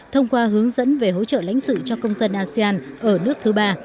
thông qua hướng dẫn về hỗ trợ lãnh sự cho công dân asean ở nước thứ ba